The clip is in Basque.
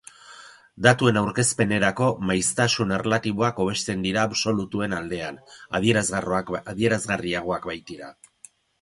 Datuen aurkezpenerako, maiztasun erlatiboak hobesten dira absolutuen aldean, adierazgarriagoak baitira.